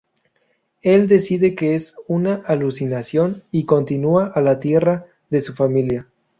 Él decide que es una alucinación, y continúa a la tierra de su familia.